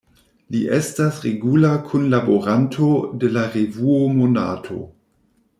Li estas regula kunlaboranto de la revuo Monato.